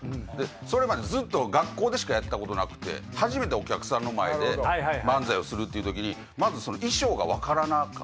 それまでずっと学校でしかやったことなくて初めてお客さんの前で漫才をするっていう時にまず。